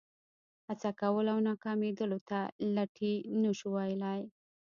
هڅه کول او ناکامېدلو ته لټي نه شو ویلای.